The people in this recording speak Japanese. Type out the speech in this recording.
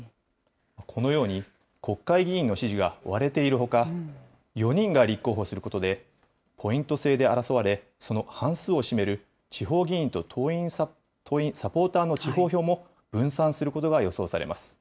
このように、国会議員の支持が割れているほか、４人が立候補することで、ポイント制で争われ、その半数を占める地方議員と党員・サポーターの地方票も分散することが予想されます。